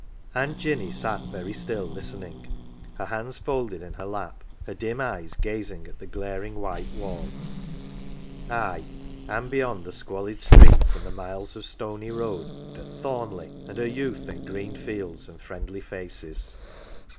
Aunt Jinny sat very still, listening ; her hands folded in her lap, her dim eyes gazing at the glaring white wall ay, and through it, and beyond the squalid streets and the miles of stony road at Thornleigh, and her youth and green fields and friendly faces.